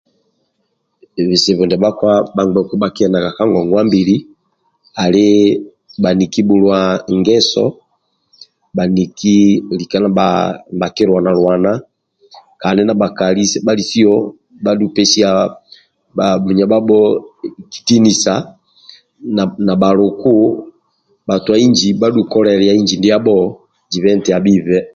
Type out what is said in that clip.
Bizibu ndia bhakpa bhaniki bulya ngeso bhaniki lika night kilwala lwala Kandi na bha Kali kabha ki bhu pagha bhamunyabho kitinisa na bha luku kabha ki kolelaga iji ndiabho njo abhibhe